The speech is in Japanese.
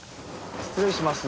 失礼します。